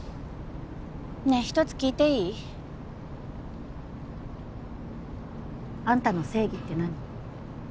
ねえ１つ聞いていい？あんたの正義って何？